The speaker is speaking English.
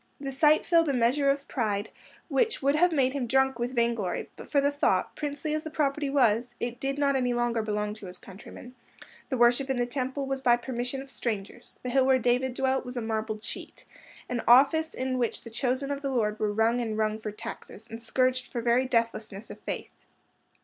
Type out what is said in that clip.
The sight filled a measure of pride which would have made him drunk with vainglory but for the thought, princely as the property was, it did not any longer belong to his countrymen; the worship in the Temple was by permission of strangers; the hill where David dwelt was a marbled cheat—an office in which the chosen of the Lord were wrung and wrung for taxes, and scourged for very deathlessness of faith.